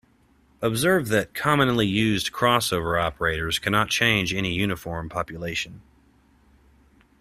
Observe that commonly used crossover operators cannot change any uniform population.